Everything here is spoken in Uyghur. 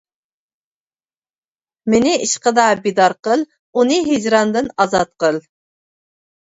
مېنى ئىشقىدا بىدار قىل، ئۇنى ھىجراندىن ئازاد قىل.